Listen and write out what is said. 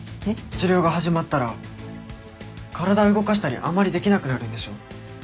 治療が始まったら体動かしたりあんまりできなくなるんでしょ？